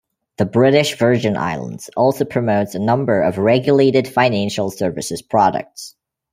The British Virgin Islands also promotes a number of regulated financial services products.